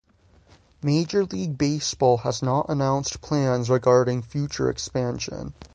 Major League Baseball has not announced plans regarding future expansion.